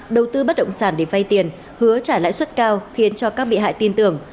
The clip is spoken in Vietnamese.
đầu tư bất động sản để vay tiền hứa trả lãi suất cao khiến cho các bị hại tin tưởng